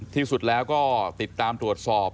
ที่สุดแล้วก็ติดตามตรวจสอบ